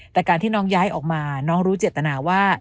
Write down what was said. แต่การที่น้องย้ายออกมาน้องรู้เจตนาว่า